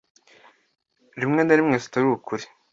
rimwe na rimwe zitari ukuri